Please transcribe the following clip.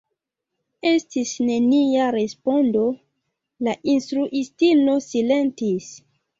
Estis nenia respondo, la instruistino silentis.